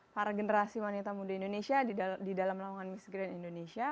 para generasi wanita muda indonesia di dalam lawangan misk grand indonesia